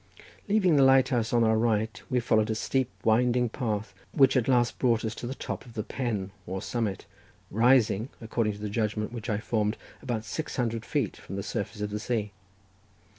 Leaving the lighthouse on our right we followed a steep winding path which at last brought us to the top of the pen or summit, rising according to the judgment which I formed about six hundred feet from the surface of the sea.